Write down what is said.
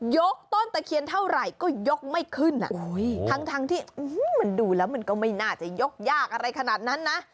ยกต้นตะเคียนเท่าไหร่ก็ยกไม่ขึ้นทั้งที่มันดูแล้วมันก็ไม่น่าจะยกยากอะไรขนาดนั้นนะ